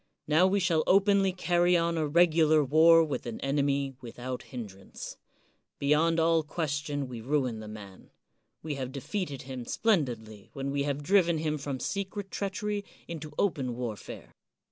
Now we shall openly carry on a regular war with an enemy without hindrance. Beyond all ques tion we ruin the man; we have defeated him splendidly when we have driven him from secret treachery into open warfare.